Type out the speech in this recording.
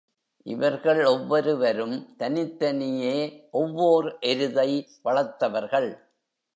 இவர்கள் ஒவ்வொருவரும் தனித்தனியே ஒவ்வோர் எருதை வளர்த்தவர்கள்.